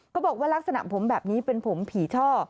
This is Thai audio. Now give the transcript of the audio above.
ก็บอกว่ารักษณะผมแบบนี้เป็นผมผีช่อ